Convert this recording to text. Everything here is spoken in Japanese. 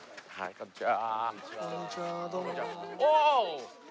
こんにちは。